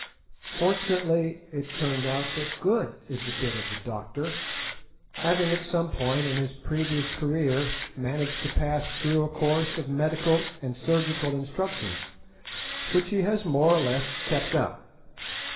Fortunately, it turned out that Good is a bit of a doctor, having at some point in his previous career managed to pass through a course of medical and surgical instruction, which he has more or less kept up.